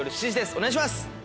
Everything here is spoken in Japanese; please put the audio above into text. お願いします！